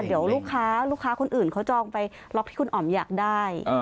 เดี๋ยวลูกค้าลูกค้าคนอื่นเขาจองไปล็อกที่คุณอ๋อมอยากได้